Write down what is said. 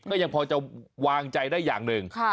ก็ยังพอจะวางใจได้อย่างหนึ่ง